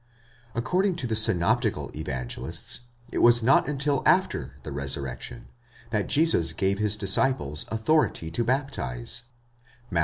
According to the synoptical Evangelists, it was not until after the resurrection, that Jesus gave his disciples authority to baptize (Matt.